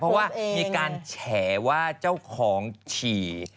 เพราะว่ามีการแฉว่าเจ้าของฉี่